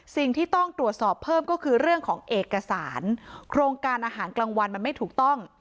สิ่งที่ต้องตรวจสอบเพิ่มก็คือเรื่องของเอกสารโครงการอาหารกลางวันมันไม่ถูกต้อง